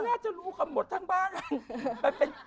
ก็น่าจะรู้ความหมดทั้งบ้าง